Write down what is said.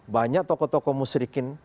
banyak tokoh tokoh musyrikin